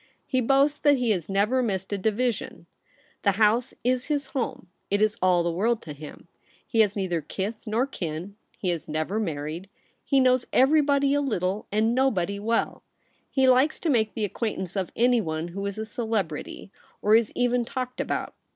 He boasts that he has never missed a divi sion. The House Is his home. It Is all the world to him. He has neither kith nor kin. He was never married. He knows everybody a little, and nobody well. He likes to make the acquaintance of anyone who Is a celebrity, or Is even talked about.